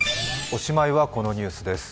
おしまいはこのニュースです。